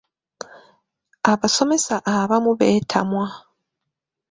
Abasomesa abamu beetamwa.